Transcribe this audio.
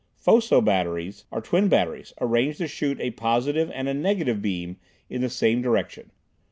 Foco batteries are twin batteries, arranged to shoot a positive and a negative beam in the same direction.